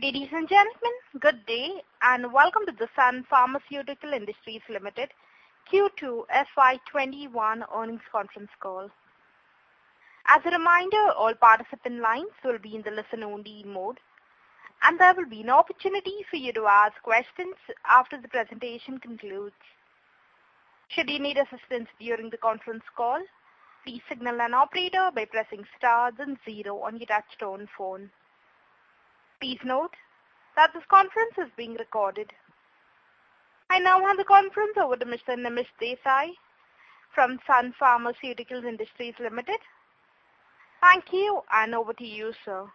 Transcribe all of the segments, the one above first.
Ladies and gentlemen, good day. Welcome to the Sun Pharmaceutical Industries Limited Q2 FY 2021 Earnings Conference Call. As a reminder, all participant lines will be in the listen-only mode. There will be an opportunity for you to ask questions after the presentation concludes. Should you need assistance during the conference call, please signal an operator by pressing star then zero on your touch-tone phone. Please note that this conference is being recorded. I now hand the conference over to Mr. Nimish Desai from Sun Pharmaceutical Industries Limited. Thank you. Over to you, sir.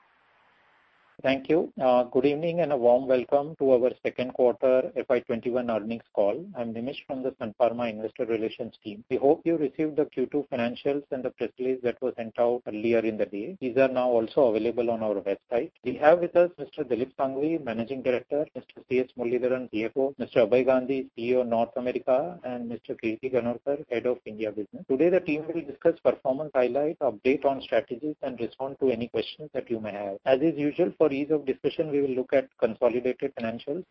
Thank you. Good evening, and a warm welcome to our Q2 FY 2021 Earnings Call. I'm Nimish from the Sun Pharma investor relations team. We hope you received the Q2 financials and the press release that was sent out earlier in the day. These are now also available on our website. We have with us Mr. Dilip Shanghvi, Managing Director, Mr. C.S. Muralidharan, CFO, Mr. Abhay Gandhi, CEO, North America, and Mr. Kirti Ganorkar, Head of India Business. Today, the team will discuss performance highlights, update on strategies, and respond to any questions that you may have. As is usual, for ease of discussion, we will look at consolidated financials.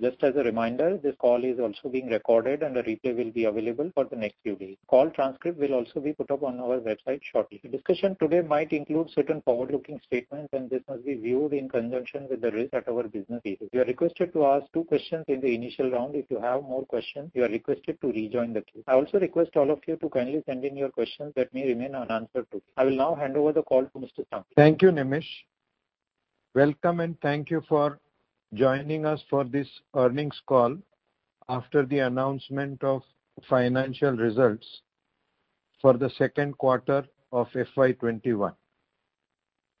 Just as a reminder, this call is also being recorded, and a replay will be available for the next few days. Call transcript will also be put up on our website shortly. The discussion today might include certain forward-looking statements, and this must be viewed in conjunction with the risk that our business faces. You are requested to ask two questions in the initial round. If you have more questions, you are requested to rejoin the queue. I also request all of you to kindly send in your questions that may remain unanswered too. I will now hand over the call to Mr. Shanghvi. Thank you, Nimish. Welcome, and thank you for joining us for this earnings call after the announcement of financial results for the Q2 of FY 2021.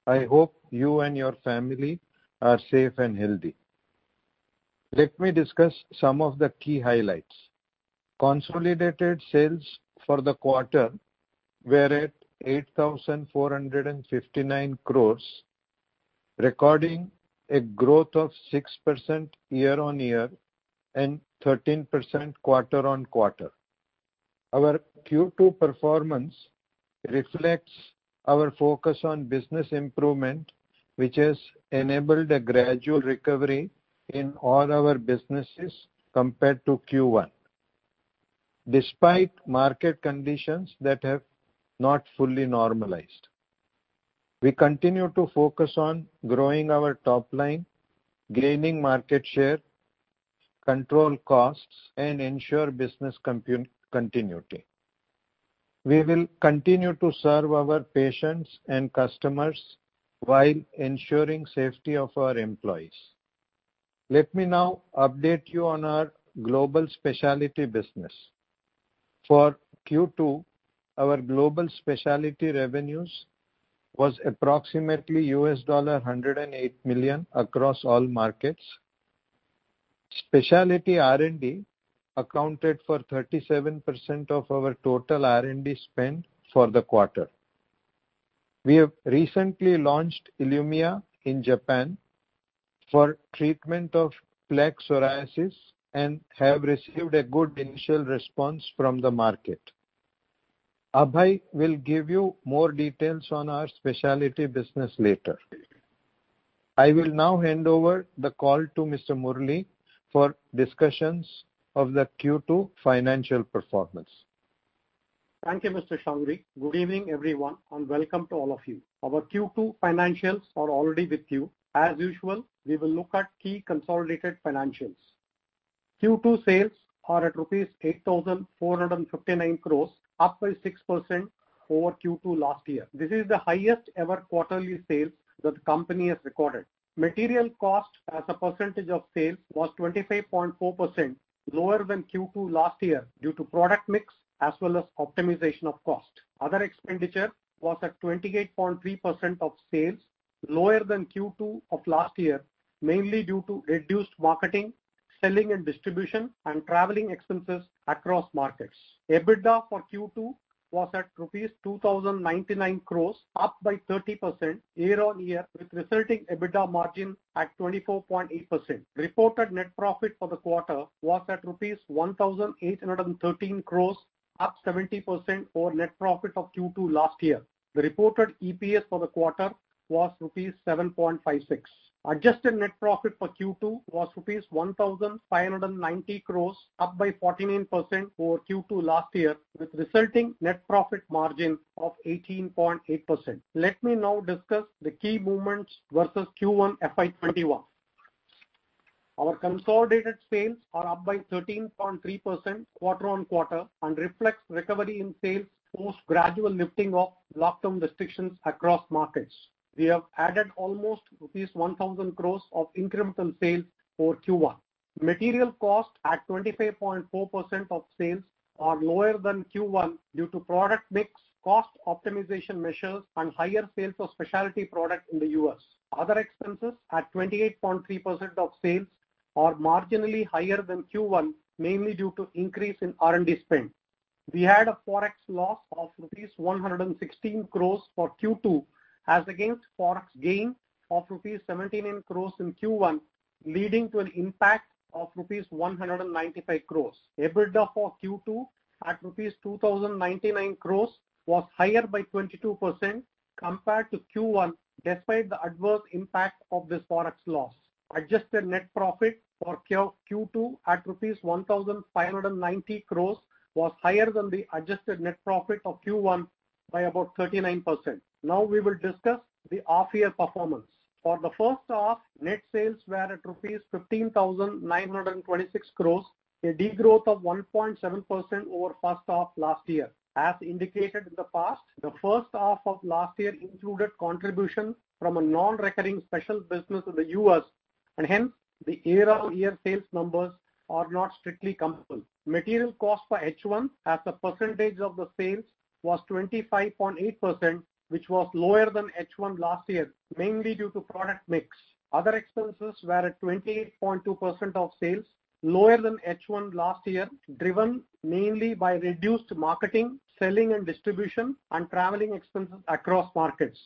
I hope you and your family are safe and healthy. Let me discuss some of the key highlights. Consolidated sales for the quarter were at 8,459 crores, recording a growth of 6% year-on-year and 13% quarter-on-quarter. Our Q2 performance reflects our focus on business improvement, which has enabled a gradual recovery in all our businesses compared to Q1, despite market conditions that have not fully normalized. We continue to focus on growing our top line, gaining market share, control costs, and ensure business continuity. We will continue to serve our patients and customers while ensuring safety of our employees. Let me now update you on our global specialty business. For Q2, our global specialty revenues was approximately $108 million across all markets. Specialty R&D accounted for 37% of our total R&D spend for the quarter. We have recently launched ILUMYA in Japan for treatment of plaque psoriasis and have received a good initial response from the market. Abhay will give you more details on our specialty business later. I will now hand over the call to Mr. Murali for discussions of the Q2 financial performance. Thank you, Mr. Shanghvi. Good evening, everyone, and welcome to all of you. Our Q2 financials are already with you. As usual, we will look at key consolidated financials. Q2 sales are at rupees 8,459 crores, up by 6% over Q2 last year. This is the highest ever quarterly sales that the company has recorded. Material cost as a percentage of sales was 25.4%, lower than Q2 last year due to product mix as well as optimization of cost. Other expenditure was at 28.3% of sales, lower than Q2 of last year, mainly due to reduced marketing, selling and distribution, and traveling expenses across markets. EBITDA for Q2 was at rupees 2,099 crores, up by 30% year-on-year, with resulting EBITDA margin at 24.8%. Reported net profit for the quarter was at rupees 1,813 crore, up 70% over net profit of Q2 last year. The reported EPS for the quarter was rupees 7.56. Adjusted net profit for Q2 was rupees 1,590 crore, up by 49% over Q2 last year, with resulting net profit margin of 18.8%. Let me now discuss the key movements versus Q1 FY 2021. Our consolidated sales are up by 13.3% quarter-on-quarter and reflects recovery in sales post gradual lifting of lockdown restrictions across markets. We have added almost rupees 1,000 crore of incremental sales for Q1. Material cost at 25.4% of sales are lower than Q1 due to product mix, cost optimization measures, and higher sales of specialty product in the U.S. Other expenses at 28.3% of sales are marginally higher than Q1, mainly due to increase in R&D spend. We had a Forex loss of rupees 116 crores for Q2 as against Forex gain of rupees 17 crores in Q1, leading to an impact of rupees 195 crores. EBITDA for Q2 at rupees 2,099 crores was higher by 22% compared to Q1, despite the adverse impact of this Forex loss. Adjusted net profit for Q2 at INR 1,590 crores was higher than the adjusted net profit of Q1 by about 39%. Now we will discuss the half-year performance. For the first half, net sales were at rupees 15,926 crores, a degrowth of 1.7% over first half last year. As indicated in the past, the first half of last year included contribution from a non-recurring special business in the U.S. Hence, the year-on-year sales numbers are not strictly comparable. Material cost for H1 as a percentage of the sales was 25.8%, which was lower than H1 last year, mainly due to product mix. Other expenses were at 28.2% of sales, lower than H1 last year, driven mainly by reduced marketing, selling and distribution, and traveling expenses across markets.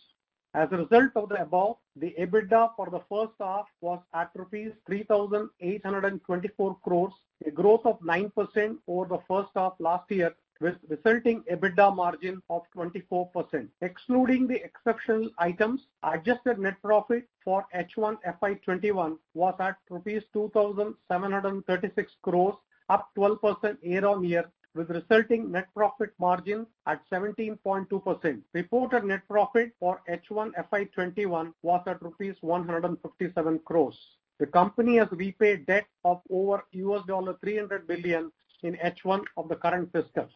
As a result of the above, the EBITDA for the first half was at rupees 3,824 crores, a growth of 9% over the first half last year, with resulting EBITDA margin of 24%. Excluding the exceptional items, adjusted net profit for H1 FY 2021 was at INR 2,736 crores, up 12% year-on-year, with resulting net profit margin at 17.2%. Reported net profit for H1 FY 2021 was at INR 157 crores. The company has repaid debt of over $300 billion in H1 of the current fiscal.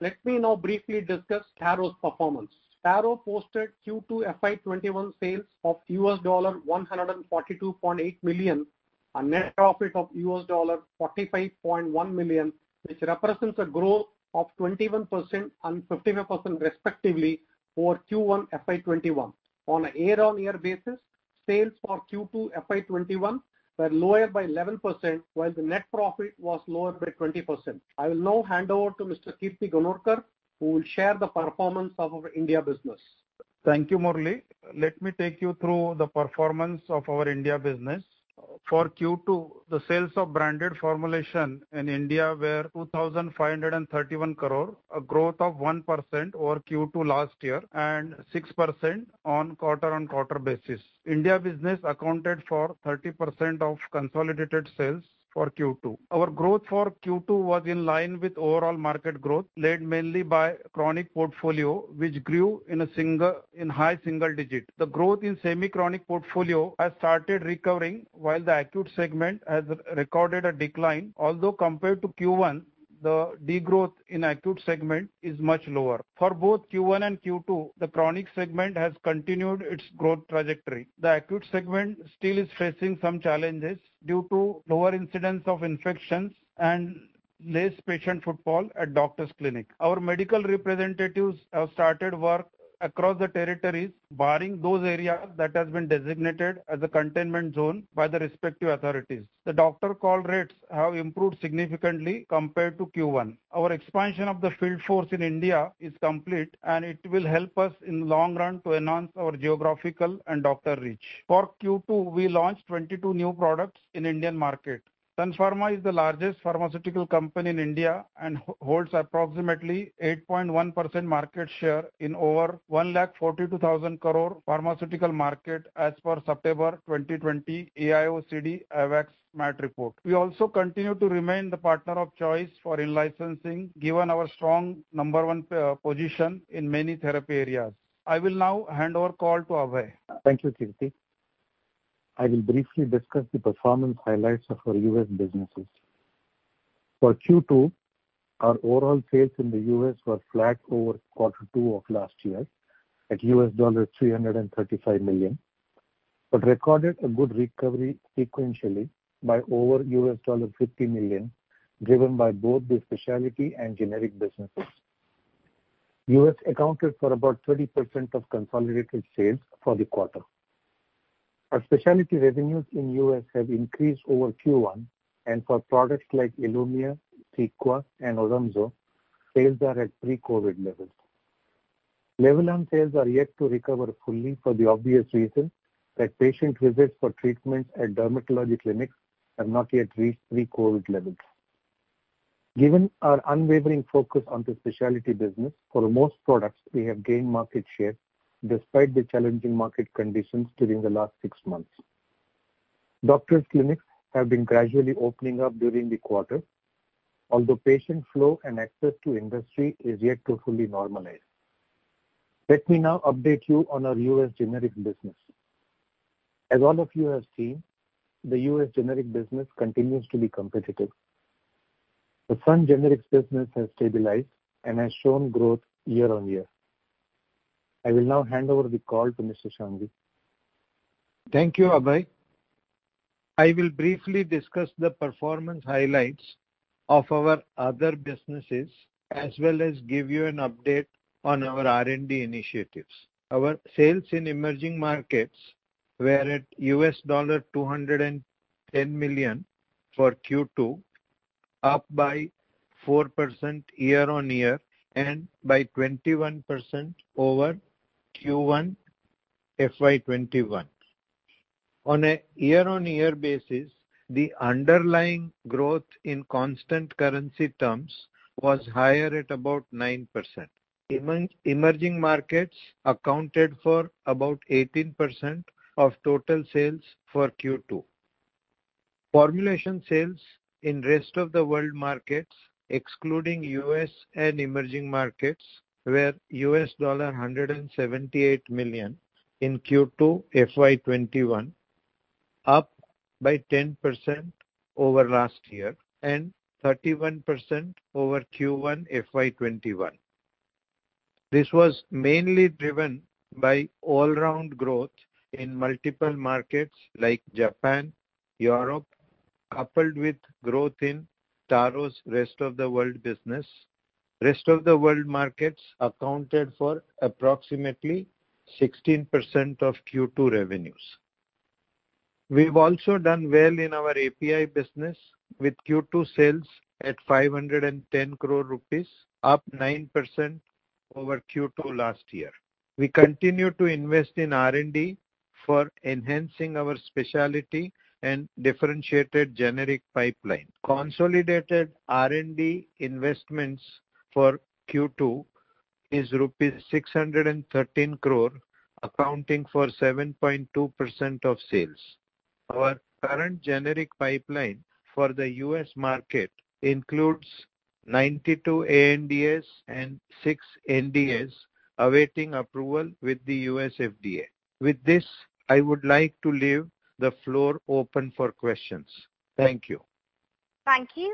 Let me now briefly discuss Taro's performance. Taro posted Q2 FY 2021 sales of $142.8 million, a net profit of $45.1 million, which represents a growth of 21% and 55% respectively over Q1 FY 2021. On a year-on-year basis, sales for Q2 FY 2021 were lower by 11%, while the net profit was lower by 20%. I will now hand over to Mr. Kirti Ganorkar, who will share the performance of our India business. Thank you, Murali. Let me take you through the performance of our India business. For Q2, the sales of branded formulation in India were 2,531 crore, a growth of 1% over Q2 last year and 6% on quarter-on-quarter basis. India business accounted for 30% of consolidated sales for Q2. Our growth for Q2 was in line with overall market growth, led mainly by chronic portfolio, which grew in high single digit. The growth in semi-chronic portfolio has started recovering while the acute segment has recorded a decline, although compared to Q1, the degrowth in acute segment is much lower. For both Q1 and Q2, the chronic segment has continued its growth trajectory. The acute segment still is facing some challenges due to lower incidence of infections and less patient footfall at doctor's clinic. Our medical representatives have started work across the territories, barring those areas that has been designated as a containment zone by the respective authorities. The doctor call rates have improved significantly compared to Q1. Our expansion of the field force in India is complete, and it will help us in long run to enhance our geographical and doctor reach. For Q2, we launched 22 new products in Indian market. Sun Pharma is the largest pharmaceutical company in India and holds approximately 8.1% market share in over 1,42,000 crore pharmaceutical market as per September 2020 AIOCD AWACS MAT report. We also continue to remain the partner of choice for in-licensing given our strong number one position in many therapy areas. I will now hand over call to Abhay. Thank you, Kirti. I will briefly discuss the performance highlights of our U.S. businesses. For Q2, our overall sales in the U.S. were flat over quarter two of last year at $335 million, but recorded a good recovery sequentially by over $50 million, driven by both the specialty and generic businesses. U.S. accounted for about 30% of consolidated sales for the quarter. Our specialty revenues in U.S. have increased over Q1, and for products like ILUMYA, CEQUA, and ODOMZO, sales are at pre-COVID levels. LEVULAN sales are yet to recover fully for the obvious reason that patient visits for treatment at dermatology clinics have not yet reached pre-COVID levels. Given our unwavering focus on the specialty business, for most products, we have gained market share despite the challenging market conditions during the last six months. Doctors' clinics have been gradually opening up during the quarter, although patient flow and access to industry is yet to fully normalize. Let me now update you on our U.S. generic business. As all of you have seen, the U.S. generic business continues to be competitive. The Sun Generics business has stabilized and has shown growth year on year. I will now hand over the call to Mr. Shanghvi. Thank you, Abhay. I will briefly discuss the performance highlights of our other businesses as well as give you an update on our R&D initiatives. Our sales in emerging markets were at $210 million for Q2, up by 4% year-on-year and by 21% over Q1 FY 2021. On a year-on-year basis, the underlying growth in constant currency terms was higher at about 9%. Emerging markets accounted for about 18% of total sales for Q2. Formulation sales in rest of the world markets, excluding U.S. and emerging markets, were US$178 million in Q2 FY 2021, up by 10% over last year and 31% over Q1 FY 2021. This was mainly driven by all-round growth in multiple markets like Japan, Europe, coupled with growth in Taro's rest of the world business. Rest of the world markets accounted for approximately 16% of Q2 revenues. We've also done well in our API business, with Q2 sales at 510 crore rupees, up 9% over Q2 last year. We continue to invest in R&D for enhancing our specialty and differentiated generic pipeline. Consolidated R&D investments for Q2 is rupees 613 crore, accounting for 7.2% of sales. Our current generic pipeline for the U.S. market includes 92 ANDAs and six NDAs awaiting approval with the U.S. FDA. With this, I would like to leave the floor open for questions. Thank you. Thank you.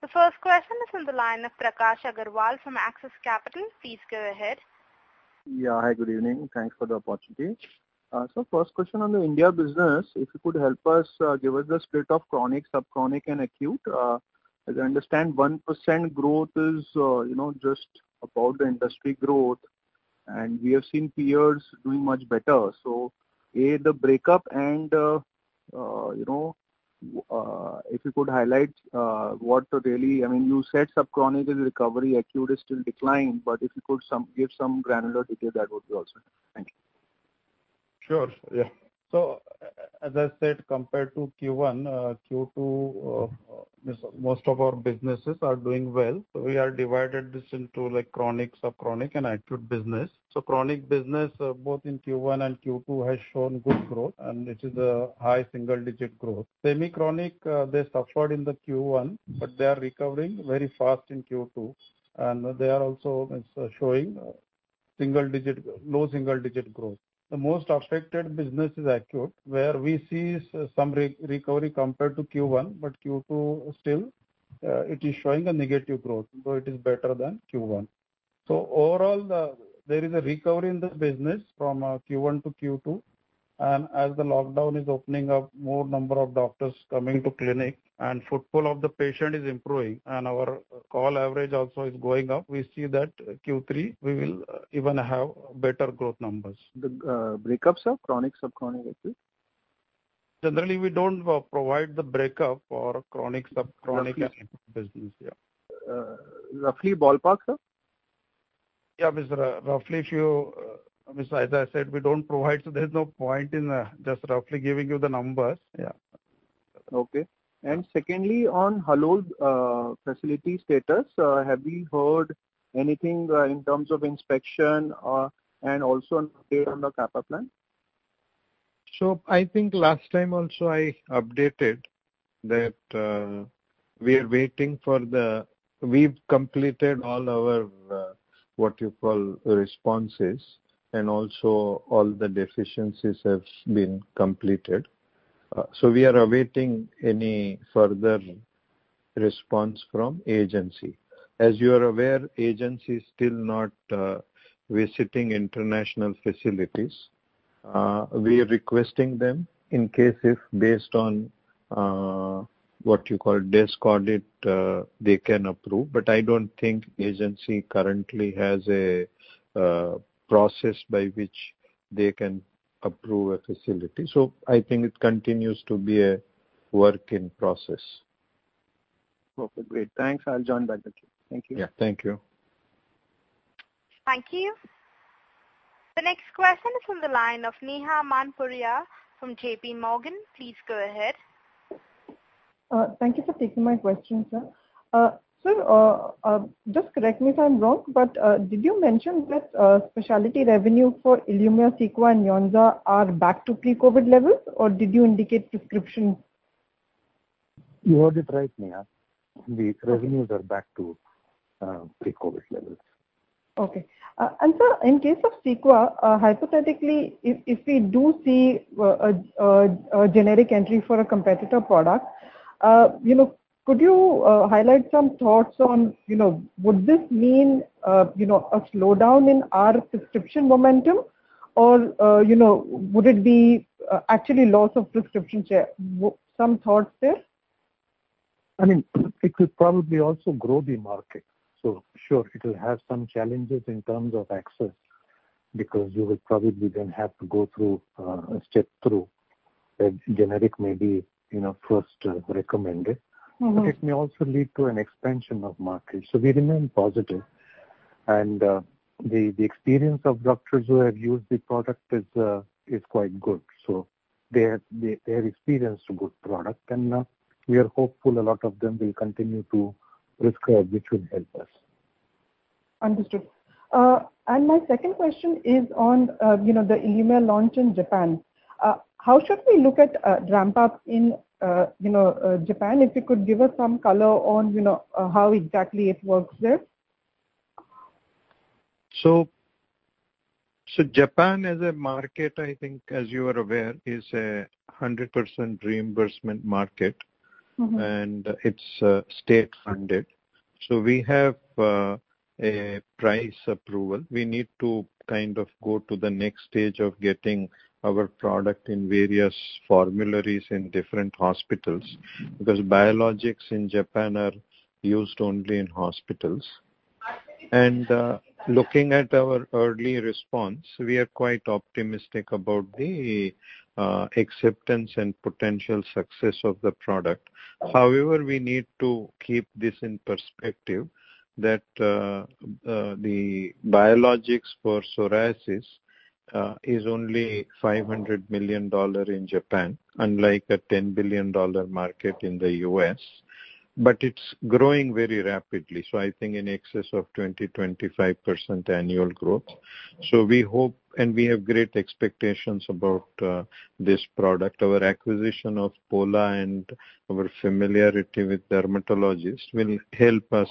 The first question is on the line of Prakash Agarwal from Axis Capital. Please go ahead. Yeah. Hi, good evening. Thanks for the opportunity. Sir, first question on the India business. If you could help us give us the split of chronic, subchronic, and acute. As I understand, 1% growth is just above the industry growth, and we have seen peers doing much better. A, the breakup and if you could highlight. You said subchronic is recovery, acute is still decline. If you could give some granular detail, that would be also helpful. Thank you. Sure. Yeah. As I said, compared to Q1, Q2, most of our businesses are doing well. We have divided this into chronic, subchronic, and acute business. Chronic business both in Q1 and Q2 has shown good growth, and it is a high single-digit growth. Subchronic, they suffered in the Q1, but they are recovering very fast in Q2, and they are also showing low single-digit growth. The most affected business is acute, where we see some recovery compared to Q1, but Q2 still, it is showing a negative growth, though it is better than Q1. Overall, there is a recovery in the business from Q1 to Q2, and as the lockdown is opening up, more number of doctors coming to clinic and footfall of the patient is improving, and our call average also is going up. We see that Q3, we will even have better growth numbers. The breakups of chronic, subchronic, acute? Generally, we don't provide the breakup for chronic, subchronic, and acute business. Yeah. Roughly ballpark, Sir? Roughly, as I said, we don't provide. There's no point in just roughly giving you the numbers. Okay. Secondly, on Halol facility status, have we heard anything in terms of inspection and also an update on the CAPA plan? I think last time also I updated that We've completed all our, what you call, responses, and also all the deficiencies have been completed. We are awaiting any further response from agency. As you are aware, agency is still not visiting international facilities. We are requesting them in case if based on, what you call, desk audit, they can approve. I don't think agency currently has a process by which they can approve a facility. I think it continues to be a work in process. Okay, great. Thanks. I'll join back the queue. Thank you. Yeah. Thank you. Thank you. The next question is on the line of Neha Manpuria from JPMorgan. Please go ahead. Thank you for taking my question, sir. Sir, just correct me if I'm wrong, did you mention that specialty revenue for ILUMYA, CEQUA, and YONSA are back to pre-COVID levels, or did you indicate prescription? You heard it right, Neha. The revenues are back to pre-COVID levels. Okay. Sir, in case of CEQUA, hypothetically, if we do see a generic entry for a competitor product, could you highlight some thoughts on, would this mean a slowdown in our prescription momentum or would it be actually loss of prescription share? Some thoughts there. I mean, it could probably also grow the market. Sure, it will have some challenges in terms of access, because you will probably then have to go through a step through, a generic maybe first recommended. It may also lead to an expansion of market. We remain positive and the experience of doctors who have used the product is quite good. They have experienced a good product, and we are hopeful a lot of them will continue to prescribe, which would help us. Understood. My second question is on the ILUMYA launch in Japan. How should we look at ramp-up in Japan? If you could give us some color on how exactly it works there. Japan as a market, I think as you are aware, is a 100% reimbursement market. It's state-funded. We have a price approval. We need to kind of go to the next stage of getting our product in various formularies in different hospitals, because biologics in Japan are used only in hospitals. Looking at our early response, we are quite optimistic about the acceptance and potential success of the product. However, we need to keep this in perspective, that the biologics for psoriasis is only $500 million in Japan, unlike a $10 billion market in the U.S., but it's growing very rapidly. I think in excess of 20%-25% annual growth. We hope, and we have great expectations about this product. Our acquisition of Pola and our familiarity with dermatologists will help us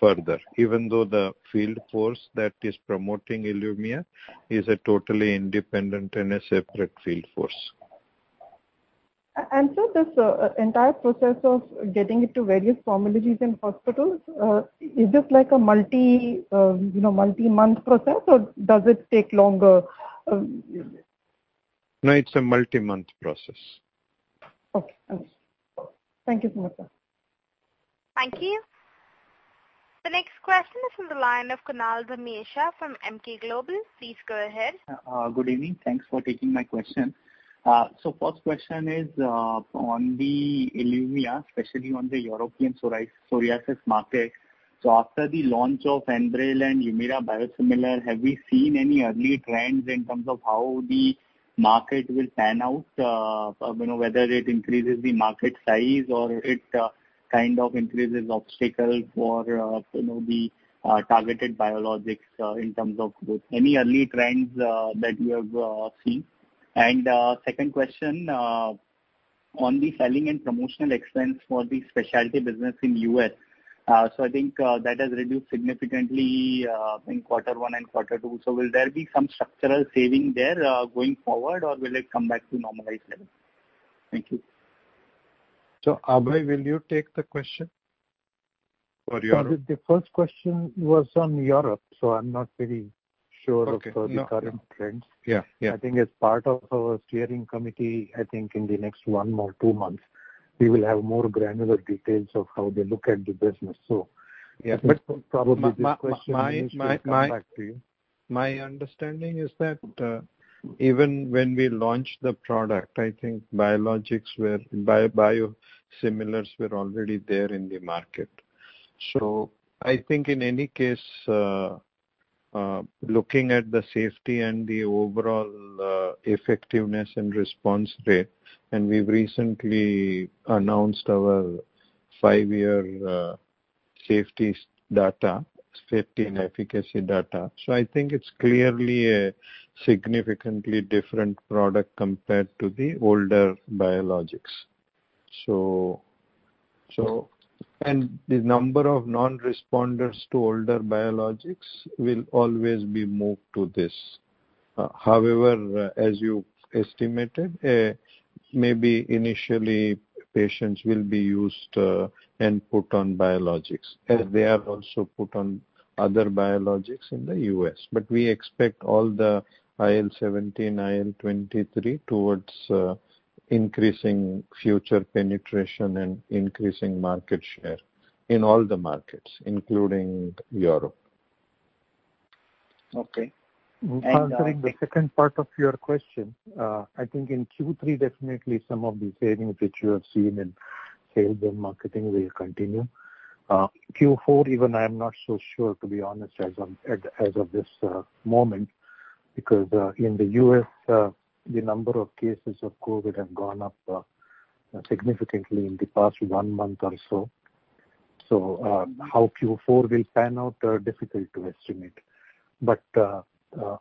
further, even though the field force that is promoting ILUMYA is a totally independent and a separate field force. This entire process of getting it to various formularies in hospitals, is this like a multi-month process or does it take longer? No, it's a multi-month process. Okay. Understood. Thank you so much. Thank you. The next question is from the line of Kunal Dhamesha from Emkay Global. Please go ahead. Good evening. Thanks for taking my question. First question is on the ILUMYA, especially on the European psoriasis market. After the launch of ENBREL and HUMIRA biosimilar, have we seen any early trends in terms of how the market will pan out, whether it increases the market size or it kind of increases obstacle for the targeted biologics in terms of both. Any early trends that you have seen? Second question on the selling and promotional expense for the specialty business in U.S. I think that has reduced significantly in quarter one and quarter two. Will there be some structural saving there going forward, or will it come back to normalized level? Thank you. Abhay, will you take the question for Europe? The first question was on Europe, so I'm not very sure of the current trends. Okay. No. Yeah. I think as part of our steering committee, I think in the next one or two months, we will have more granular details of how they look at the business. Probably this question we should come back to you. My understanding is that even when we launched the product, I think biosimilars were already there in the market. I think in any case, looking at the safety and the overall effectiveness and response rate, and we've recently announced our five-year safety and efficacy data. I think it's clearly a significantly different product compared to the older biologics. The number of non-responders to older biologics will always be moved to this. However, as you estimated, maybe initially patients will be used and put on biologics, as they are also put on other biologics in the U.S. We expect all the IL-17, IL-23 towards increasing future penetration and increasing market share in all the markets, including Europe. Okay. Answering the second part of your question. I think in Q3, definitely some of the savings which you have seen in sales and marketing will continue. Q4, even I am not so sure, to be honest, as of this moment, because in the U.S., the number of cases of COVID have gone up significantly in the past one month or so. How Q4 will pan out, difficult to estimate.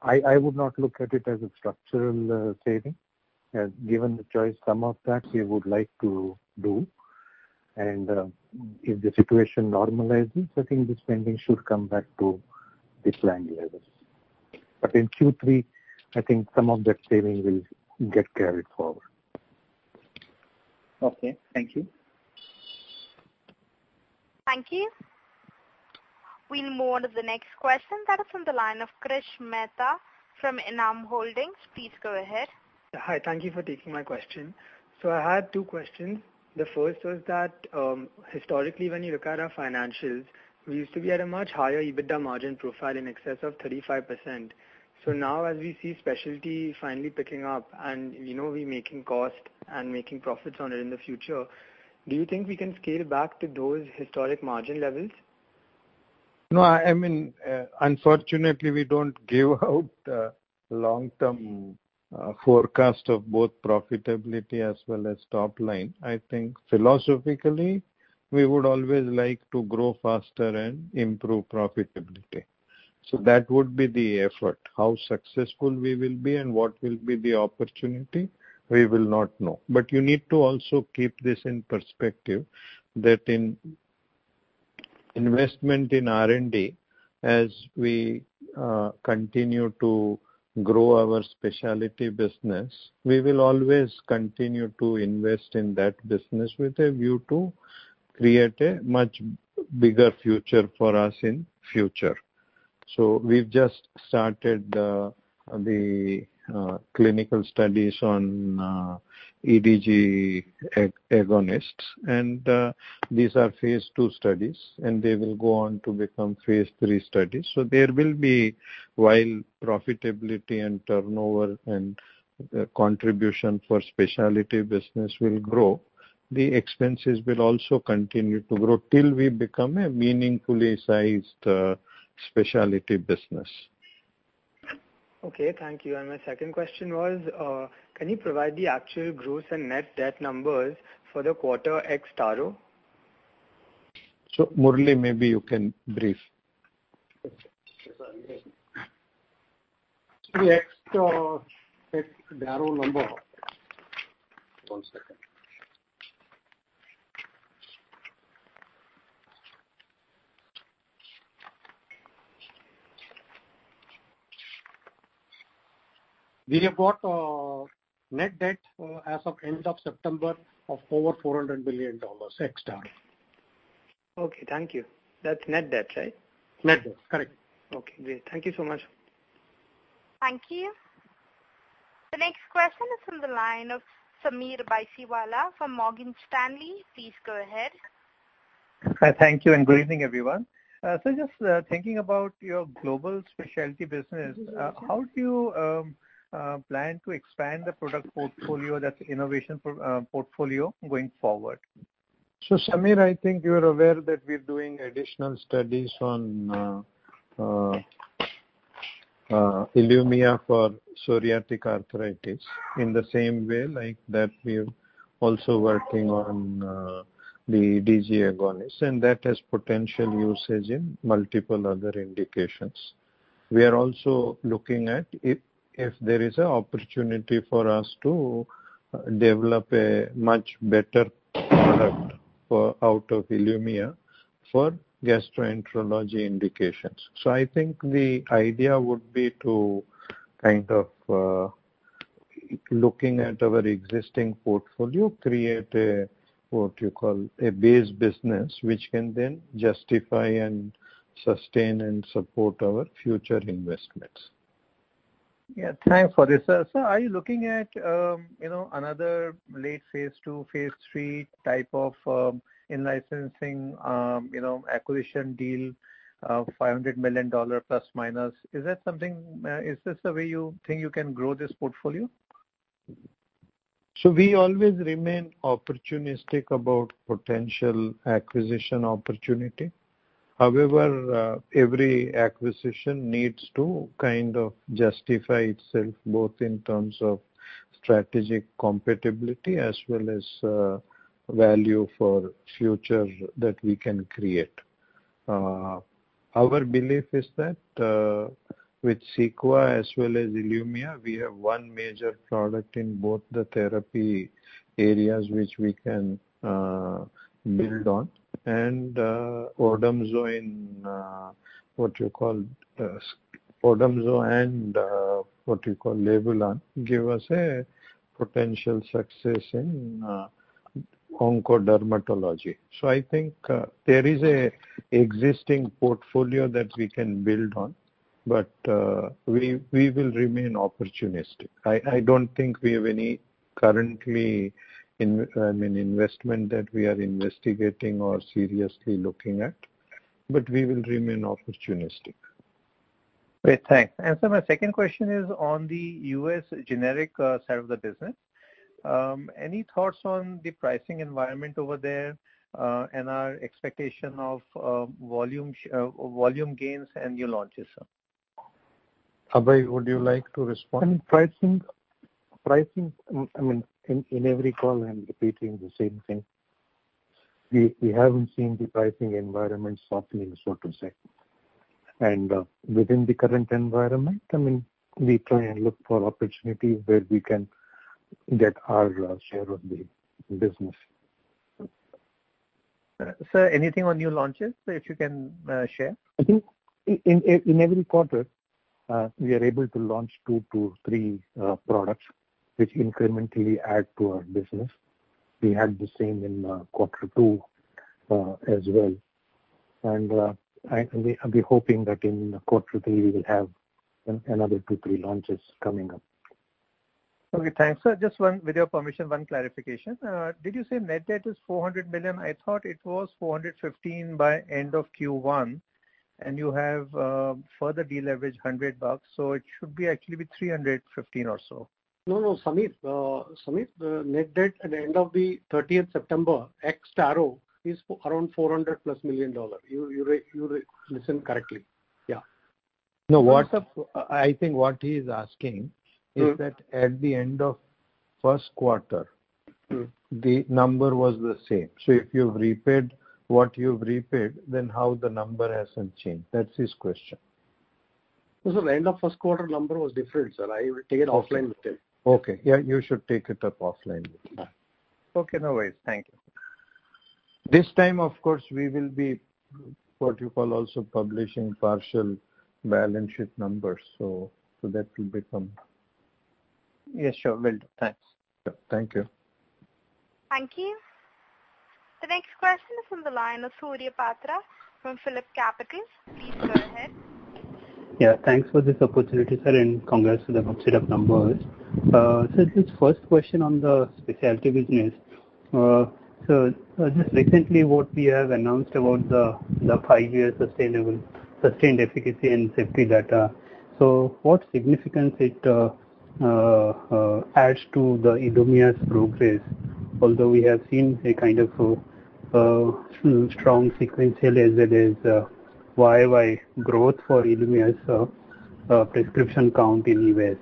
I would not look at it as a structural saving. Given the choice, some of that we would like to do if the situation normalizes, I think the spending should come back to decline levels. In Q3, I think some of that spending will get carried forward. Okay. Thank you. Thank you. We'll move on to the next question. That is from the line of Krish Mehta from Enam Holdings. Please go ahead. Hi. Thank you for taking my question. I had two questions. The first was that, historically, when you look at our financials, we used to be at a much higher EBITDA margin profile in excess of 35%. Now as we see Specialty finally picking up, and we know we're making cost and making profits on it in the future, do you think we can scale back to those historic margin levels? No, unfortunately we don't give out long-term forecast of both profitability as well as top-line. I think philosophically, we would always like to grow faster and improve profitability. That would be the effort. How successful we will be and what will be the opportunity, we will not know. You need to also keep this in perspective, that in investment in R&D, as we continue to grow our specialty business, we will always continue to invest in that business with a view to create a much bigger future for us in future. We've just started the clinical studies on S1P agonists, and these are phase II studies, and they will go on to become phase III studies. There will be, while profitability and turnover and contribution for specialty business will grow, the expenses will also continue to grow till we become a meaningfully sized specialty business. Okay. Thank you. My second question was, can you provide the actual gross and net debt numbers for the quarter ex Taro? Murali, maybe you can brief. Okay. Ex Taro number. One second. We have got net debt as of end of September of over INR 400 billion ex Taro. Okay. Thank you. That's net debt, right? Net debt. Correct. Okay, great. Thank you so much. Thank you. The next question is from the line of Sameer Baisiwala from Morgan Stanley. Please go ahead. Hi. Thank you, good evening, everyone. Just thinking about your global specialty business, how do you plan to expand the product portfolio, that innovation portfolio going forward? Sameer, I think you're aware that we're doing additional studies on ILUMYA for psoriatic arthritis in the same way like that we're also working on the S1P agonist, and that has potential usage in multiple other indications. We are also looking at if there is an opportunity for us to develop a much better product out of ILUMYA for gastroenterology indications. I think the idea would be to kind of, looking at our existing portfolio, create a, what you call, a base business which can then justify and sustain and support our future investments. Yeah. Thanks for this. Are you looking at another late phase II, phase III type of in-licensing acquisition deal of $500 million plus, minus? Is this a way you think you can grow this portfolio? We always remain opportunistic about potential acquisition opportunity. However, every acquisition needs to kind of justify itself, both in terms of strategic compatibility as well as value for future that we can create. Our belief is that with CEQUA as well as ILUMYA, we have one major product in both the therapy areas which we can build on. ODOMZO and what you call LEVULAN give us a potential success in onco-dermatology. I think there is an existing portfolio that we can build on, but we will remain opportunistic. I don't think we have any currently investment that we are investigating or seriously looking at, but we will remain opportunistic. Great. Thanks. My second question is on the U.S. generic side of the business. Any thoughts on the pricing environment over there, and our expectation of volume gains and new launches, sir? Abhay, would you like to respond? I mean, pricing, in every call, I'm repeating the same thing. We haven't seen the pricing environment softening, so to say. Within the current environment, we try and look for opportunities where we can get our share of the business. Sir, anything on new launches that you can share? I think in every quarter, we are able to launch two to three products which incrementally add to our business. We had the same in quarter two as well. I'll be hoping that in quarter three we will have another two, three launches coming up. Okay. Thanks, sir. Just one, with your permission, one clarification. Did you say net debt is $400 million? I thought it was $415 by end of Q1, and you have further de-leveraged $100, so it should actually be $315 or so. No, Sameer. The net debt at the end of the 30th September, ex Taro, is around $400 plus million. You listened correctly. Yeah. No, I think what he's asking is that at the end of first quarter, the number was the same. If you've repaid what you've repaid, then how the number hasn't changed, that's his question. Sir, end of first quarter number was different, sir. I will take it offline with him. Okay. Yeah, you should take it up offline with him. Okay. No worries. Thank you. This time, of course, we will be, what you call, also publishing partial balance sheet numbers. That will become Yes, sure, will do. Thanks. Thank you. Thank you. The next question is on the line of Surya Patra from PhillipCapital. Please go ahead. Yeah, thanks for this opportunity, sir, and congrats to the upset of numbers. Sir, just first question on the specialty business. Just recently, what we have announced about the five-year sustained efficacy and safety data. What significance it adds to the ILUMYA's progress, although we have seen a kind of strong sequential as it is, year-over-year growth for ILUMYA's prescription count in U.S.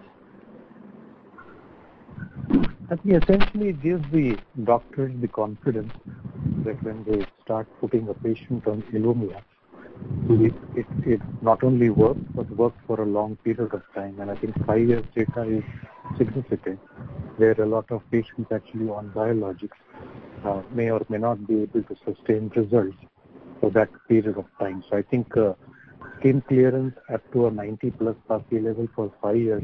I think essentially it gives the doctors the confidence that when they start putting a patient on ILUMYA, it not only works but works for a long period of time. I think five years data is significant, where a lot of patients actually on biologics may or may not be able to sustain results for that period of time. I think skin clearance up to a 90-plus PASI level for five years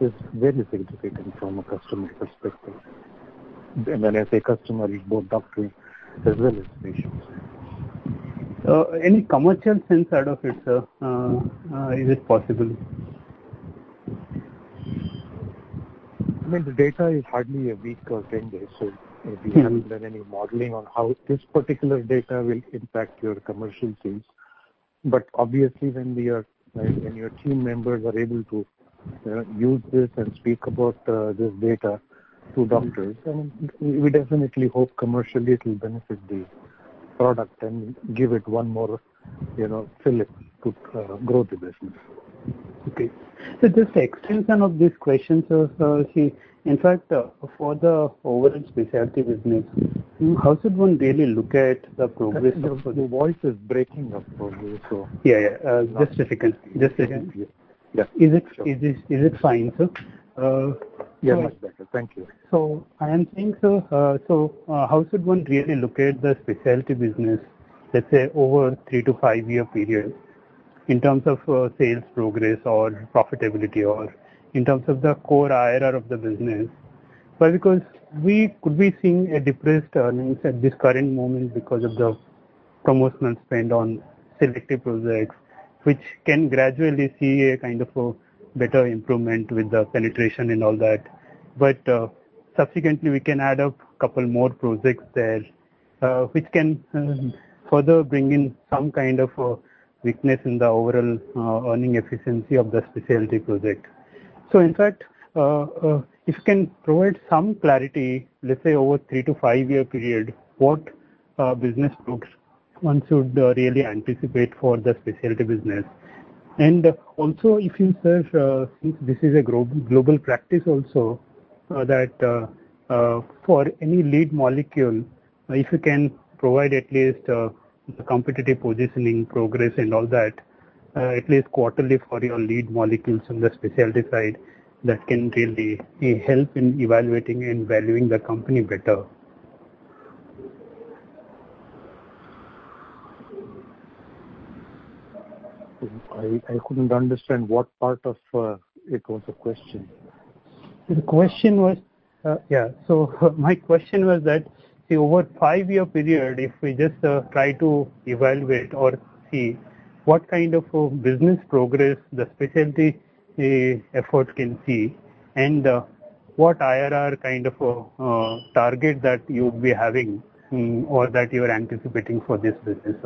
is very significant from a customer perspective. When I say customer, it's both doctor as well as patients. Any commercial sense out of it, sir? Is it possible? I mean, the data is hardly a week or 10 days. We haven't done any modeling on how this particular data will impact your commercial sales. Obviously, when your team members are able to use this and speak about this data to doctors, we definitely hope commercially it will benefit the product and give it one more fillip to grow the business. Okay. just to extend some of these questions, sir. In fact, for the overall specialty business, how should one really look at the progress of. Your voice is breaking up for you. Yeah. Just a second. Yeah, sure. Is it fine, sir? You're much better. Thank you. I am thinking, sir, how should one really look at the specialty business, let's say over three to five-year period in terms of sales progress or profitability or in terms of the core IRR of the business? We could be seeing a depressed earnings at this current moment because of the promotional spend on selective projects, which can gradually see a kind of a better improvement with the penetration and all that. Subsequently, we can add up couple more projects there, which can further bring in some kind of weakness in the overall earning efficiency of the specialty project. In fact, if you can provide some clarity, let's say over three to five-year period, what business groups one should really anticipate for the specialty business? Also if you search, this is a global practice also, that for any lead molecule, if you can provide at least competitive positioning progress and all that, at least quarterly for your lead molecules on the specialty side, that can really help in evaluating and valuing the company better. I couldn't understand what part of it was the question? My question was that, over five-year period, if we just try to evaluate or see what kind of a business progress the specialty effort can see and what IRR kind of a target that you'll be having or that you are anticipating for this business,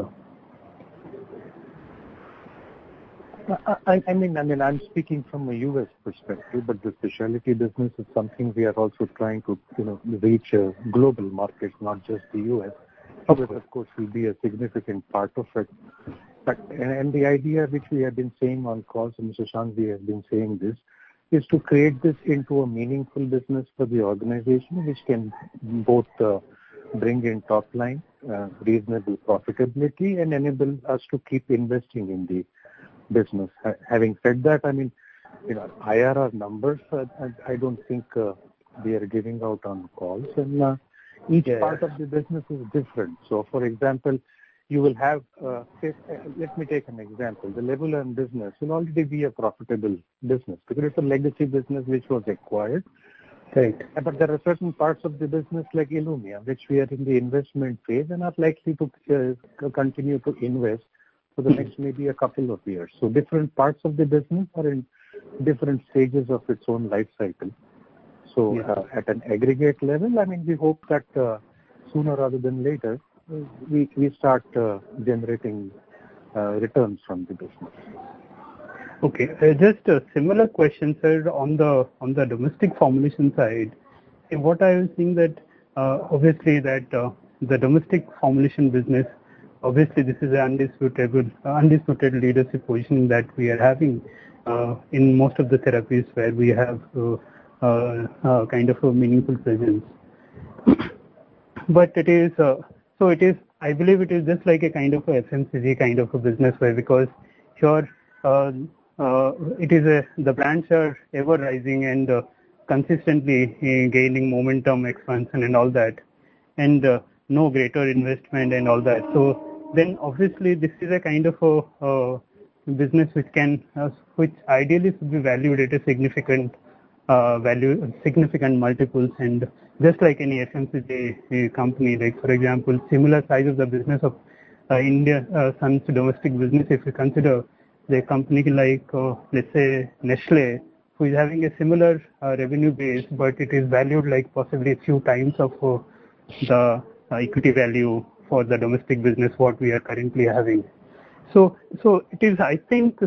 sir. I'm speaking from a U.S. perspective, but the specialty business is something we are also trying to reach a global market, not just the U.S. Which, of course, will be a significant part of it. The idea which we have been saying on calls, and Mr. Shanghvi has been saying this, is to create this into a meaningful business for the organization, which can both bring in top line reasonable profitability and enable us to keep investing in the business. Having said that, IRR numbers, I don't think we are giving out on calls. Each part of the business is different. For example, let me take an example. The LEVULAN business will already be a profitable business because it's a legacy business which was acquired. There are certain parts of the business, like ILUMYA, which we are in the investment phase and are likely to continue to invest for the next maybe a couple of years. Different parts of the business are in different stages of its own life cycle. At an aggregate level, we hope that sooner rather than later, we start generating returns from the business. Okay. Just a similar question, sir. On the domestic formulation side, what I think that, obviously, the domestic formulation business, obviously, this is an undisputed leadership position that we are having in most of the therapies where we have a kind of a meaningful presence. I believe it is just like a kind of a FMCG kind of a business, because the brands are ever rising and consistently gaining momentum, expansion and all that, and no greater investment and all that. Obviously this is a kind of a business which ideally should be valued at significant multiples and just like any FMCG company, like for example, similar size of the business of India, some domestic business, if you consider the company like, let's say, Nestlé, who is having a similar revenue base, but it is valued like possibly a few times of the equity value for the domestic business, what we are currently having. I think,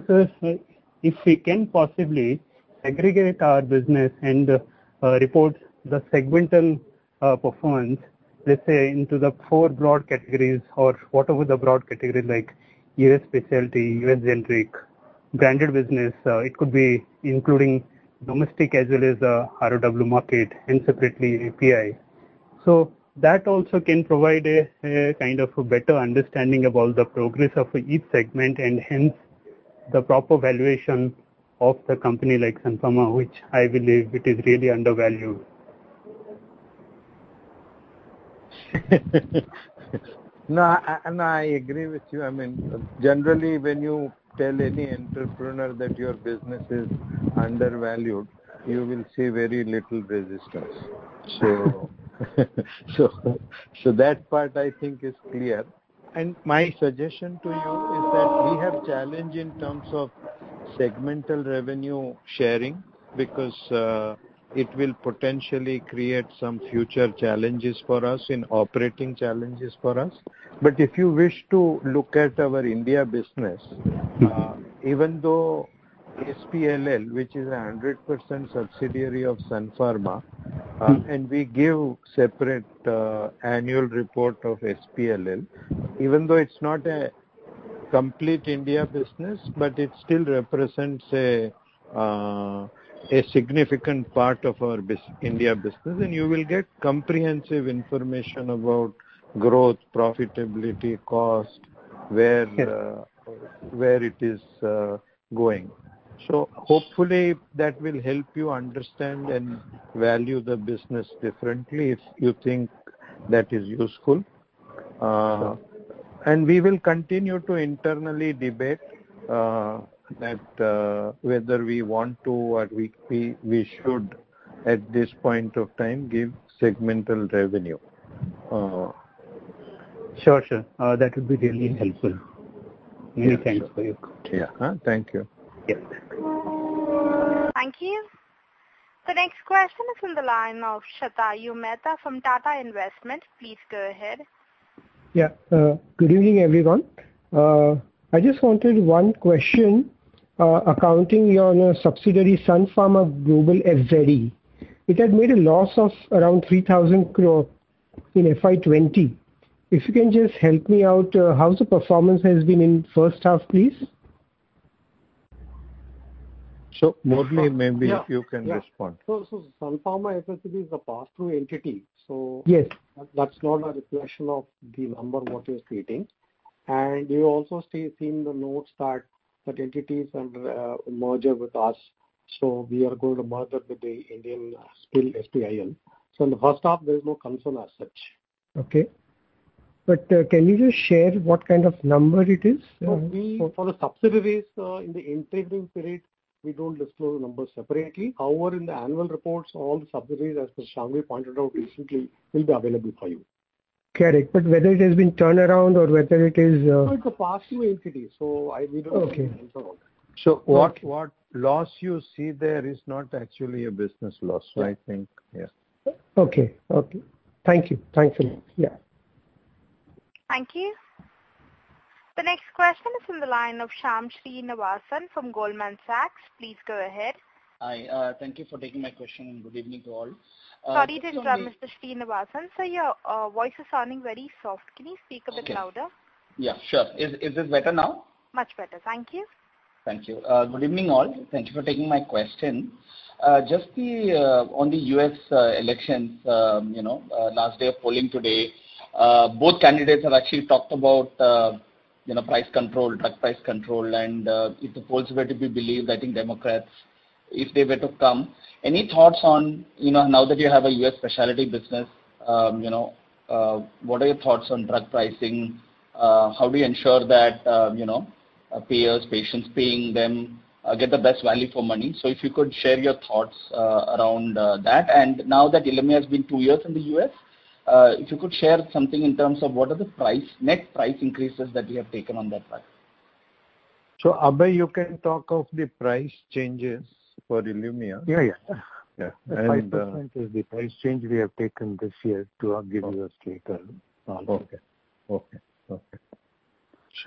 if we can possibly aggregate our business and report the segmental performance. Let's say into the four broad categories or whatever the broad category, like U.S. specialty, U.S. generic, branded business, it could be including domestic as well as the ROW market, and separately API. That also can provide a kind of a better understanding about the progress of each segment and hence the proper valuation of the company like Sun Pharma, which I believe it is really undervalued. No, I agree with you. Generally, when you tell any entrepreneur that your business is undervalued, you will see very little resistance. That part I think is clear. My suggestion to you is that we have challenge in terms of segmental revenue sharing because it will potentially create some future challenges for us and operating challenges for us. If you wish to look at our India business. Even though SPLL, which is 100% subsidiary of Sun Pharma, and we give separate annual report of SPLL, even though it's not a complete India business, but it still represents a significant part of our India business. You will get comprehensive information about growth, profitability, cost, where it is going. Hopefully that will help you understand and value the business differently if you think that is useful. We will continue to internally debate that whether we want to or we should, at this point of time, give segmental revenue. Sure. That would be really helpful. Many thanks for your call. Yeah. Thank you. Yes. Thank you. Thank you. The next question is on the line of Shatayu Mehta from Tata Investment. Please go ahead. Good evening, everyone. I just wanted one question. Accounting your subsidiary, Sun Pharma Global FZE. It had made a loss of around 3,000 crore in FY 2020. If you can just help me out, how the performance has been in first half, please? Murali, maybe you can respond. Yeah. Sun Pharma FZE is a pass-through entity. Yes. That's not a reflection of the number what you're stating. You also see in the notes that entities under merger with us. We are going to merge with the Indian SPIL. In the first half, there is no concern as such. Okay. Can you just share what kind of number it is? For the subsidiaries in the integrating period, we don't disclose the numbers separately. However, in the annual reports, all the subsidiaries, as Shangvi pointed out recently, will be available for you. Correct. Whether it has been turned around or whether it is? No, it's a pass-through entity, so we don't. Okay. What loss you see there is not actually a business loss, I think. Okay. Thank you. Thank you. The next question is on the line of Shyam Srinivasan from Goldman Sachs. Please go ahead. Hi. Thank you for taking my question, and good evening to all. Sorry to interrupt, Mr. Srinivasan. Sir, your voice is sounding very soft. Can you speak a bit louder? Okay. Yeah, sure. Is it better now? Much better. Thank you. Thank you. Good evening all. Thank you for taking my question. On the U.S. elections, last day of polling today. Both candidates have actually talked about drug price control and if the polls were to be believed, I think Democrats if they were to come. Any thoughts on, now that you have a U.S. specialty business, what are your thoughts on drug pricing? How do you ensure that payers, patients paying them get the best value for money? If you could share your thoughts around that. Now that ILUMYA has been 2 years in the U.S., if you could share something in terms of what are the net price increases that you have taken on that product. Abhay, you can talk of the price changes for ILUMYA. Yeah. Yeah. The 5% is the price change we have taken this year to give you a clearer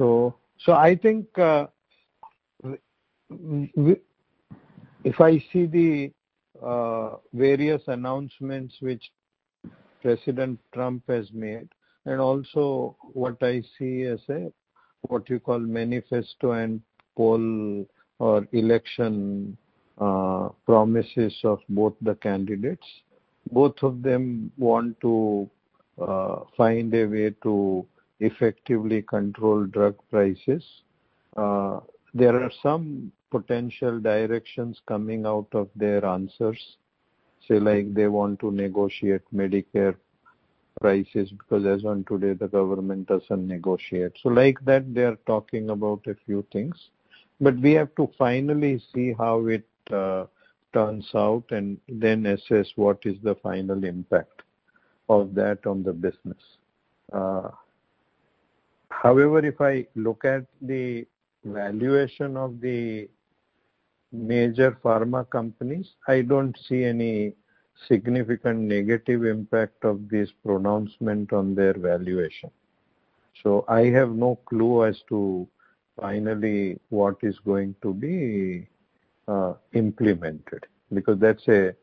answer. I think if I see the various announcements which President Trump has made and also what I see as a, what you call manifesto and poll or election promises of both the candidates, both of them want to find a way to effectively control drug prices. There are some potential directions coming out of their answers, say like they want to negotiate Medicare prices because as on today, the government doesn't negotiate. Like that, they're talking about a few things. We have to finally see how it turns out and then assess what is the final impact of that on the business. However, if I look at the valuation of the major pharma companies, I don't see any significant negative impact of this pronouncement on their valuation. I have no clue as to finally what is going to be implemented because that's an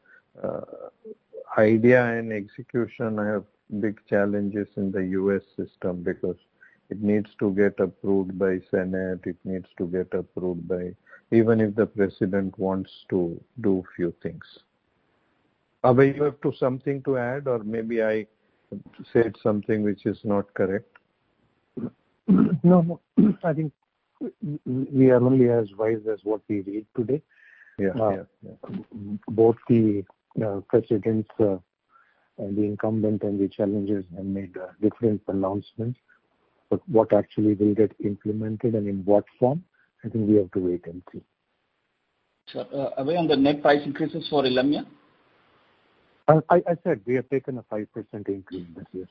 idea and execution have big challenges in the U.S. system because it needs to get approved by Senate, it needs to get approved by Even if the president wants to do few things. Abhay, you have something to add or maybe I said something which is not correct. No. I think we are only as wise as what we read today. Yeah. Both the presidents, the incumbent and the challengers have made different pronouncements. What actually will get implemented and in what form, I think we have to wait and see. Abhay, on the net price increases for ILUMYA. I said we have taken a 5% increase this year.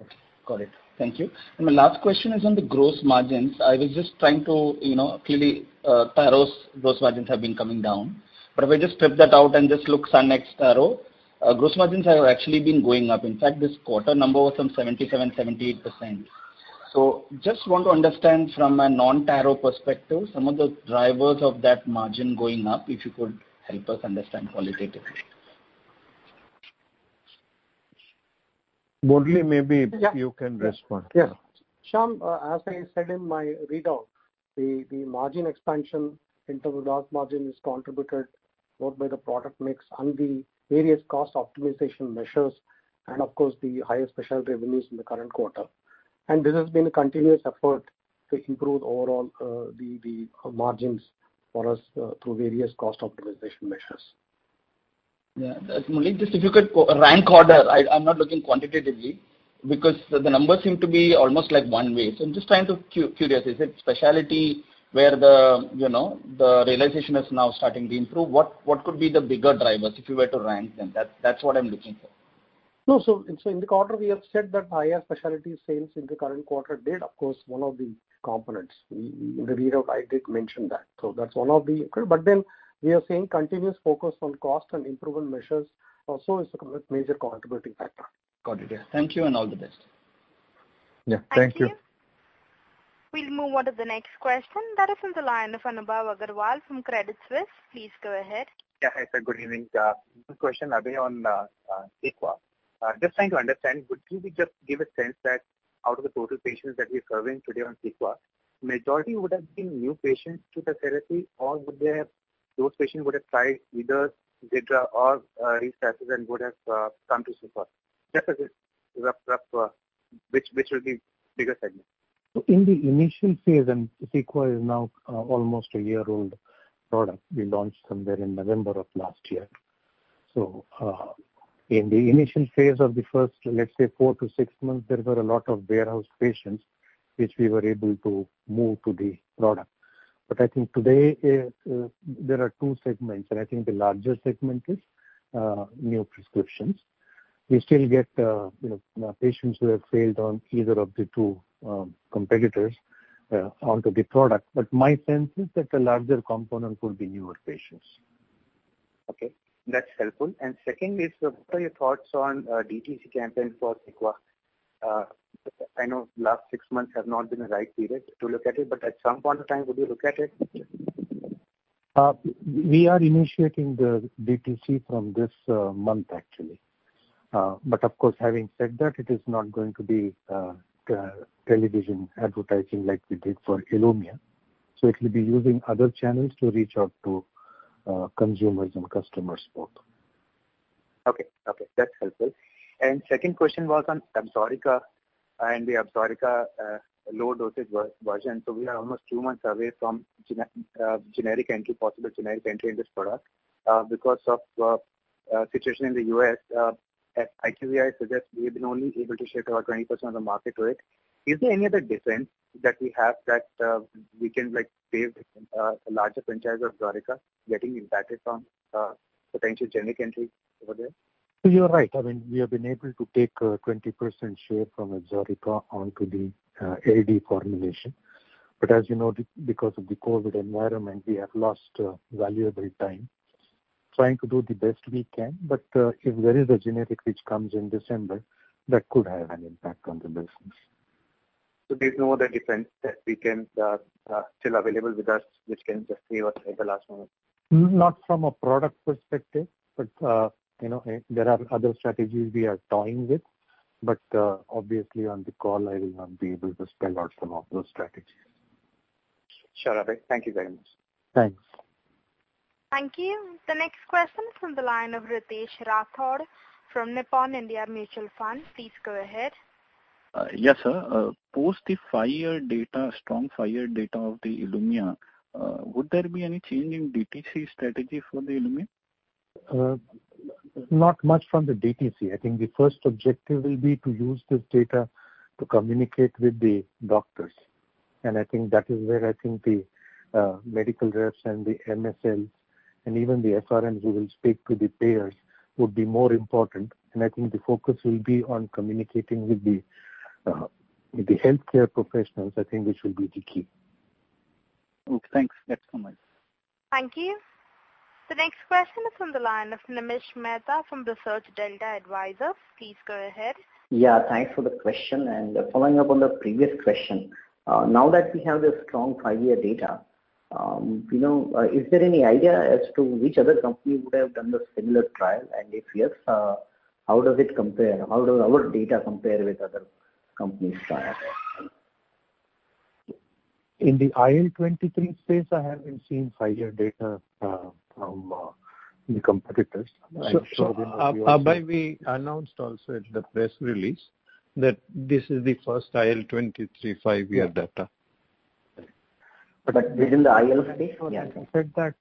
Okay. Got it. Thank you. My last question is on the gross margins. Taro's gross margins have been coming down. If I just strip that out and just look Sun ex-Taro, gross margins have actually been going up. In fact, this quarter number was some 77%-78%. Just want to understand from a non-Taro perspective, some of the drivers of that margin going up, if you could help us understand qualitatively. Murali. Yeah. You can respond. Yes. Shyam, as I said in my readout, the margin expansion in terms of gross margin is contributed both by the product mix and the various cost optimization measures, and of course, the higher specialty revenues in the current quarter. This has been a continuous effort to improve overall the margins for us through various cost optimization measures. Yeah. Murali, just if you could rank order, I'm not looking quantitatively because the numbers seem to be almost like one way. I'm just trying to Curious, is it specialty where the realization is now starting to improve? What could be the bigger drivers, if you were to rank them? That's what I'm looking for. No. In the quarter, we have said that higher specialty sales in the current quarter did, of course, one of the components. In the readout I did mention that. That's one of the. We are seeing continuous focus on cost and improvement measures also is a major contributing factor. Got it. Thank you and all the best. Yeah. Thank you. Thank you. We'll move on to the next question. That is from the line of Anubhav Agarwal from Credit Suisse. Please go ahead. Yeah. Hi, sir. Good evening. One question, Abhay, on CEQUA. Just trying to understand, could you just give a sense that out of the total patients that you're serving today on CEQUA, majority would have been new patients to the therapy, or those patients would have tried either Xiidra or RESTASIS and would have come to CEQUA? Just as a rough, which will be bigger segment? In the initial phase, and CEQUA is now almost a year-old product. We launched somewhere in November of last year. In the initial phase of the first, let's say, four-six months, there were a lot of warehouse patients, which we were able to move to the product. I think today, there are two segments, and I think the larger segment is new prescriptions. We still get patients who have failed on either of the two competitors onto the product. My sense is that the larger component would be newer patients. Okay. That's helpful. Second is, what are your thoughts on DTC campaign for CEQUA? I know last six months have not been a right period to look at it, but at some point of time, would you look at it? We are initiating the DTC from this month actually. Of course, having said that, it is not going to be television advertising like we did for ILUMYA. It will be using other channels to reach out to consumers and customers both. Okay. That's helpful. Second question was on ABSORICA and the ABSORICA low dosage version. We are almost two months away from possible generic entry in this product. Because of situation in the U.S., I think we have been only able to share about 20% of the market with it. Is there any other defense that we have that we can save a larger franchise of ABSORICA getting impacted from potential generic entry over there? You're right. I mean, we have been able to take a 20% share from ABSORICA onto the AD formulation. As you know, because of the COVID environment, we have lost valuable time. Trying to do the best we can, if there is a generic which comes in December, that could have an impact on the business. There's no other defense that still available with us, which can just save us at the last moment? Not from a product perspective, but there are other strategies we are toying with. Obviously, on the call, I will not be able to spell out some of those strategies. Sure, Abhay. Thank you very much. Thanks. Thank you. The next question is from the line of Ritesh Rathod from Nippon India Mutual Fund. Please go ahead. Yes, sir. Post the strong five-year data of the ILUMYA, would there be any change in DTC strategy for the ILUMYA? Not much from the DTC. I think the first objective will be to use this data to communicate with the doctors. I think that is where the medical reps and the MSLs and even the FRMs who will speak to the payers would be more important. I think the focus will be on communicating with the healthcare professionals. I think this will be the key. Okay, thanks. That's all, ma'am. Thank you. The next question is from the line of Nimish Mehta from Research Delta Advisors. Please go ahead. Yeah, thanks for the question. Following up on the previous question, now that we have the strong five-year data, is there any idea as to which other company would have done the similar trial? If yes, how does our data compare with other companies' trial data? In the IL-23 space, I haven't seen five-year data from the competitors. Abhay, we announced also at the press release that this is the first IL-23 five-year data. Within the IL space. Yeah, I said that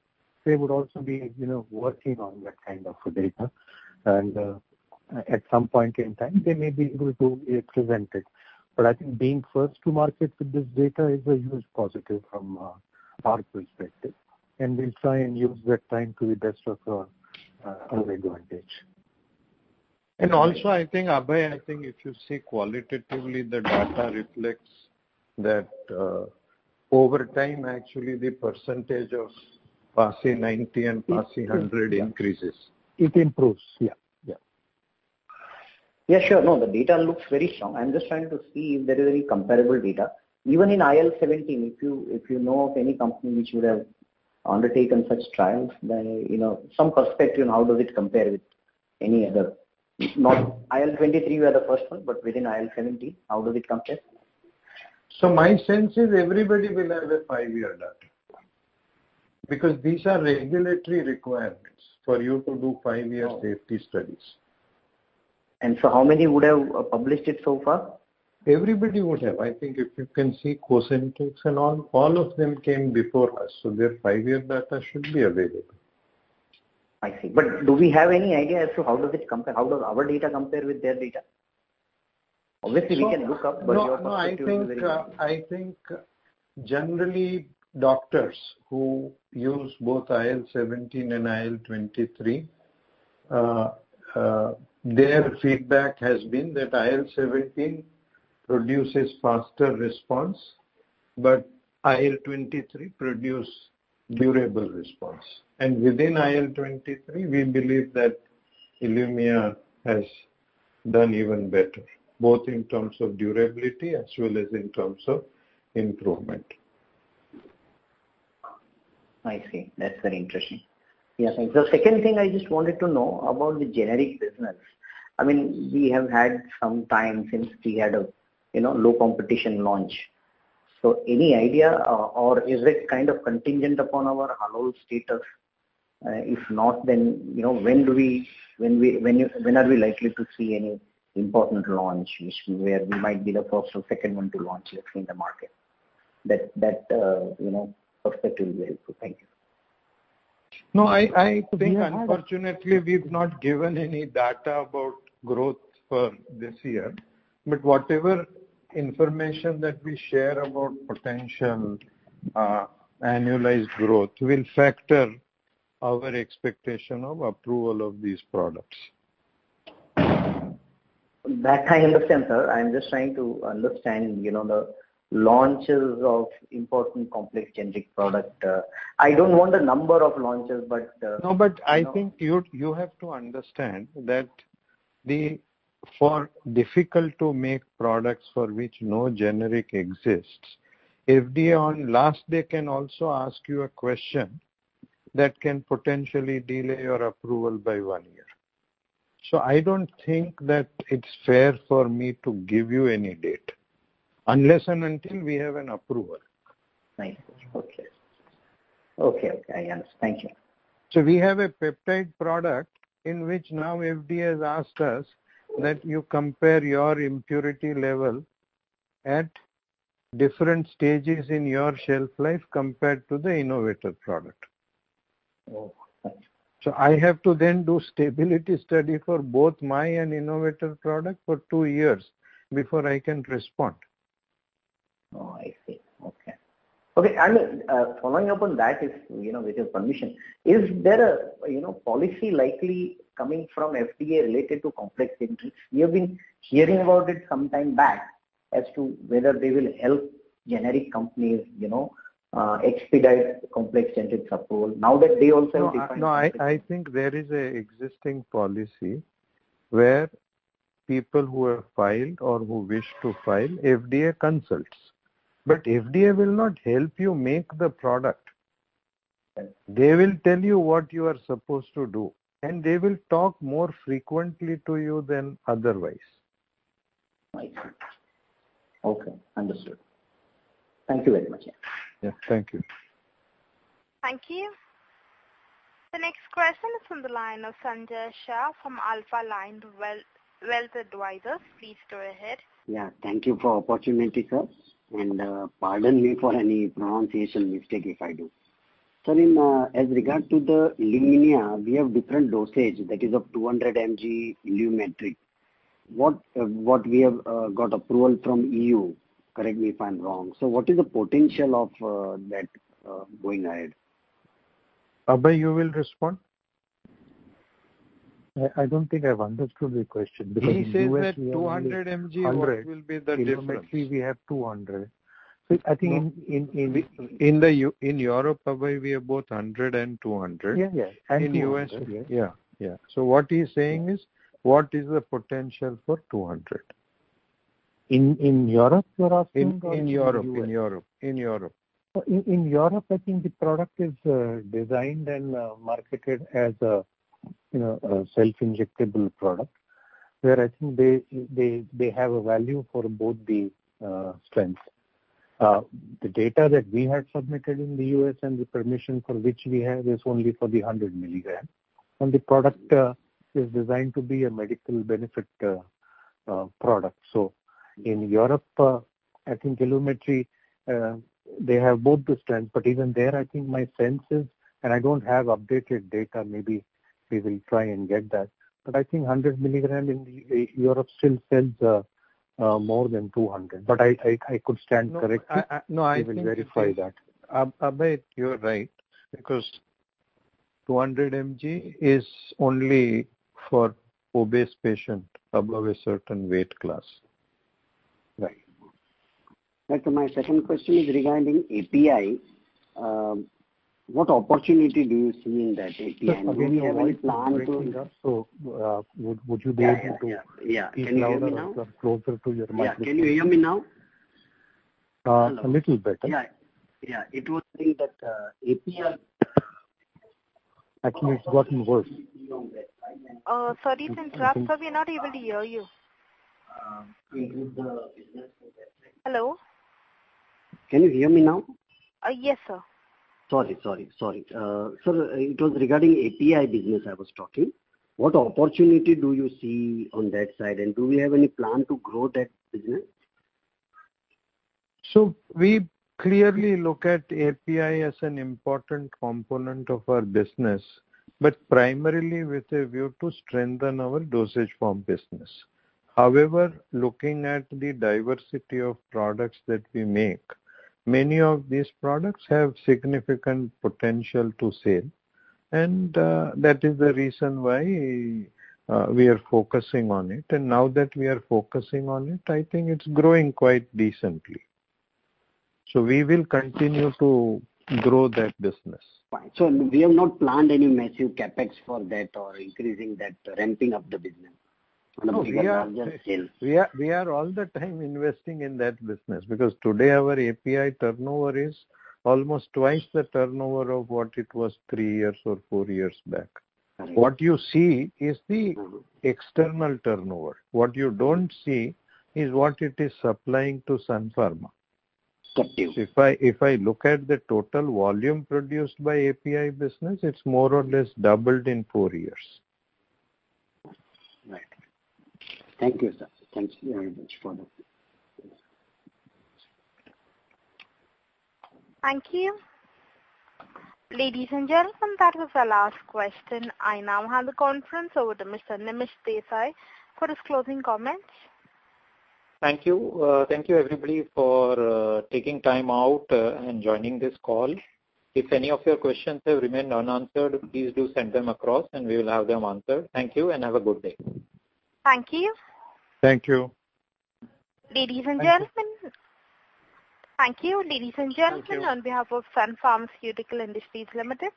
they would also be working on that kind of data and at some point in time, they may be able to present it. I think being first to market with this data is a huge positive from our perspective, and we'll try and use that time to the best of our advantage. I think, Abhay, if you see qualitatively the data reflects that over time, actually, the percentage of passing 90 and passing 100 increases. It improves. Yeah. Yeah, sure. No, the data looks very strong. I'm just trying to see if there is any comparable data. Even in IL-17, if you know of any company which would have undertaken such trials, then some perspective on how does it compare with any other. Not IL-23, we are the first one, but within IL-17, how does it compare? My sense is everybody will have a five-year data, because these are regulatory requirements for you to do five-year safety studies. How many would have published it so far? Everybody would have. I think if you can see Cosentyx and all of them came before us, so their five-year data should be available. I see. Do we have any idea as to how does our data compare with their data? Obviously, we can look up, but your perspective will be very useful. I think generally doctors who use both IL-17 and IL-23, their feedback has been that IL-17 produces faster response, but IL-23 produce durable response. Within IL-23, we believe that ILUMYA has done even better, both in terms of durability as well as in terms of improvement. I see. That's very interesting. Yeah, thanks. The second thing I just wanted to know about the generic business. I mean, we have had some time since we had a low competition launch. Any idea or is it kind of contingent upon our halo status? If not, when are we likely to see any important launch where we might be the first or second one to launch, let's say, in the market? That perspective will be helpful. Thank you. I think unfortunately, we've not given any data about growth for this year. Whatever information that we share about potential annualized growth will factor our expectation of approval of these products. That I understand, sir. I'm just trying to understand the launches of important complex generic product. I don't want the number of launches. I think you have to understand that for difficult-to-make products for which no generic exists, FDA on last day can also ask you a question that can potentially delay your approval by one year. I don't think that it's fair for me to give you any date unless and until we have an approval. I see. Okay, I understand. Thank you. We have a peptide product in which now FDA has asked us that you compare your impurity level at different stages in your shelf life compared to the innovator product. Oh, thank you. I have to then do stability study for both my and innovator product for two years before I can respond. Oh, I see. Okay. Following up on that, with your permission, is there a policy likely coming from FDA related to complex generics? We have been hearing about it some time back as to whether they will help generic companies expedite complex generic approval now that they also have. No, I think there is an existing policy where people who have filed or who wish to file FDA consults. FDA will not help you make the product. Right. They will tell you what you are supposed to do, and they will talk more frequently to you than otherwise. Right. Okay, understood. Thank you very much. Yeah, thank you. Thank you. The next question is from the line of Sanjay Shah from Alphaline Wealth Advisors. Please go ahead. Yeah, thank you for the opportunity, sir, and pardon me for any pronunciation mistake if I do. Sir, as regards to the ILUMETRI, we have different dosage, that is of 200 mg ILUMETRI. What we have got approval from EU, correct me if I'm wrong. What is the potential of that going ahead? Abhay, you will respond? I don't think I've understood the question because in the U.S. we have only. He says that 200 mg, what will be the difference? ILUMETRI we have 200. In Europe, Abhay, we have both 100 and 200. Yeah. INR 100. In U.S. Yeah. What he's saying is, what is the potential for 200? In Europe, you're asking or in U.S.? In Europe. In Europe, I think the product is designed and marketed as a self-injectable product, where I think they have a value for both the strengths. The data that we had submitted in the U.S. and the permission for which we have is only for the 100 milligram. And the product is designed to be a medical benefit product. In Europe, I think ILUMETRI, they have both the strengths, but even there, I think my sense is, and I don't have updated data, maybe we will try and get that, but I think 100 milligram in Europe still sells more than 200. I could stand corrected. No. We will verify that. Abhay, you're right, because 200 mg is only for obese patient above a certain weight class. Right. Right. My second question is regarding API. What opportunity do you see in that API? Do you have any plan to. Sir, Abhay, your voice is breaking up. Would you be able to. Yeah. Can you hear me now? Speak louder or closer to your microphone? Yeah. Can you hear me now? Hello. A little better. Yeah. It was saying that API Actually, it's gotten worse. Sorry to interrupt, sir. We're not able to hear you. Hello? Can you hear me now? Yes, sir. Sorry. Sir, it was regarding API business I was talking. What opportunity do you see on that side, and do we have any plan to grow that business? We clearly look at API as an important component of our business, primarily with a view to strengthen our dosage form business. However, looking at the diversity of products that we make, many of these products have significant potential to sell. That is the reason why we are focusing on it. Now that we are focusing on it, I think it's growing quite decently. We will continue to grow that business. Right. We have not planned any massive CapEx for that or increasing that, ramping up the business on a bigger, larger scale. We are all the time investing in that business because today our API turnover is almost twice the turnover of what it was three years or four years back. Right. What you see is the external turnover. What you don't see is what it is supplying to Sun Pharma. Okay. If I look at the total volume produced by API business, it's more or less doubled in four years. Right. Thank you, sir. Thanks very much for your time. Thank you. Ladies and gentlemen, that was our last question. I now hand the conference over to Mr. Nimish Desai for his closing comments. Thank you. Thank you everybody for taking time out and joining this call. If any of your questions have remained unanswered, please do send them across and we will have them answered. Thank you and have a good day. Thank you. Thank you. Ladies and gentlemen. Thank you. Thank you. Ladies and gentlemen. On behalf of Sun Pharmaceutical Industries Limited,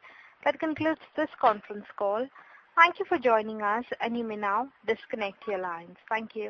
that concludes this conference call. Thank you for joining us. You may now disconnect your lines. Thank you.